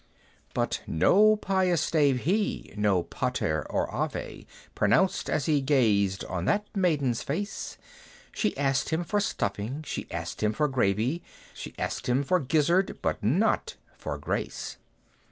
But no pious stave he, no Pater or Ave Pronounced, as he gazed on that maiden's face; She asked him for stuffing, she asked him for gravy, She asked him for gizzard; but not for grace!